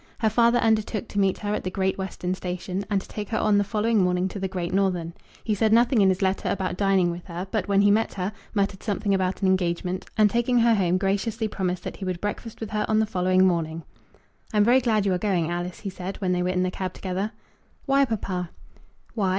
Her father undertook to meet her at the Great Western Station, and to take her on the following morning to the Great Northern. He said nothing in his letter about dining with her, but when he met her, muttered something about an engagement, and taking her home graciously promised that he would breakfast with her on the following morning. "I'm very glad you are going, Alice," he said when they were in the cab together. "Why, papa?" "Why?